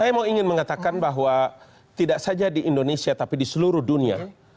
saya mau ingin mengatakan bahwa tidak saja di indonesia tapi di seluruh dunia